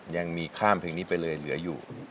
ยังมีข้ามเพลงนี้ไปเลย